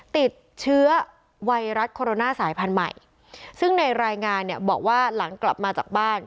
ติดเชื้อไวรัสโคโรนาสายพันธุ์ใหม่ซึ่งในรายงานเนี่ยบอกว่าหลังกลับมาจากบ้าน